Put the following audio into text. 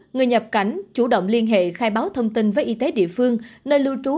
người nhập cảnh chủ động liên hệ khai báo thông tin với y tế địa phương nơi lưu trú